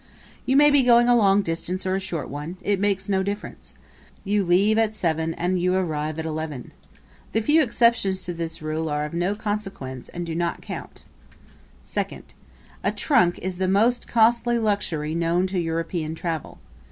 You may be going a long distance or a short one it makes no difference; you leave at seven and you arrive at eleven. The few exceptions to this rule are of no consequence and do not count. Second A trunk is the most costly luxury known to European travel.